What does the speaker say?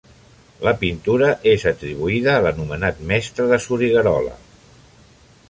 La pintura és atribuïda a l'anomenat mestre de Soriguerola.